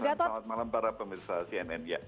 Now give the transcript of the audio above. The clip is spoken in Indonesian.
selamat malam para pemirsa cnn